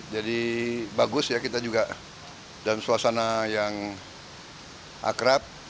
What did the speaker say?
jadi bagus ya kita juga dalam suasana yang akrab